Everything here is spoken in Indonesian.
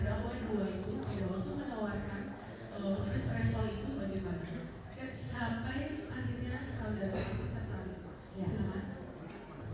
dan semua kata kata saudara pun telah sampai di wajah